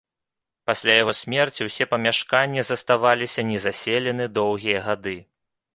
Пасля яго смерці ўсе памяшканні заставаліся незаселены доўгія гады.